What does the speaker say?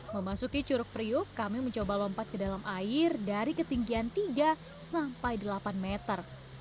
memasuki curug priuk kami mencoba lompat ke dalam air dari ketinggian tiga sampai delapan meter